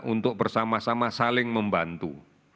untuk bersama sama saling membantu